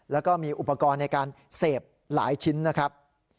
แล้วก็มีอุปกรณ์ในการเสพหลายชิ้นนะครับ